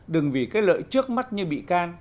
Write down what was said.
đừng vì cái lợi trước mắt như bị can